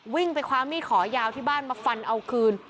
วิ่งไปคว้ามีดขอยาวที่บ้านมาฟันเอาคืน